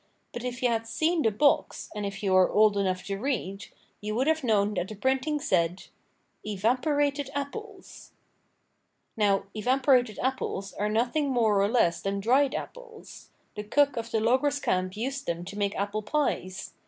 But if you had seen the box, and if you are old enough to read, you would have known that the printing said: EVAPORATED APPLES Now, evaporated apples are nothing more or less than dried apples. The cook of the loggers' camp used them to make apple pies.